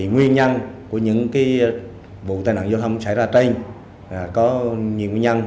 nguyên nhân của những vụ tai nạn giao thông xảy ra trên có nhiều nguyên nhân